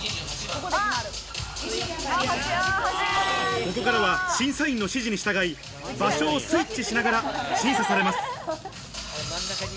ここからは審査員の指示に従い、場所をスイッチしながら審査されます。